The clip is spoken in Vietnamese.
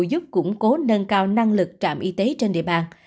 giúp củng cố nâng cao năng lực trạm y tế trên địa bàn